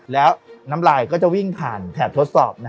แล้วน้ำลายก็จะวิ่งผ่านแถบทดสอบ